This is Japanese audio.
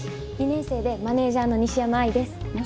２年生でマネージャーの西山愛です。